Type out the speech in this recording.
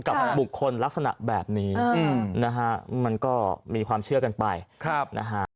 กับบุคคลลักษณะแบบนี้นะฮะมันก็มีความเชื่อกันไปนะฮะ